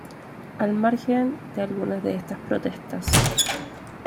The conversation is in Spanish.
Al margen de algunas de estas protestas.